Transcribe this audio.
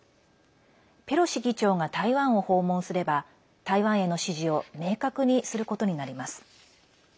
ペロシ議長が台湾を訪問すれば台湾への支持を明確にすることになります。